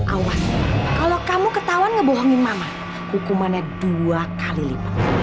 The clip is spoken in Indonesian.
awas kalau kamu ketahuan ngebohongin mama hukumannya dua kali lipat